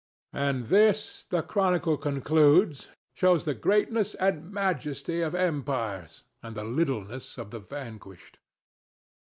And this, the chronicle concludes, shows the greatness and majesty of empires, and the littleness of the vanquished.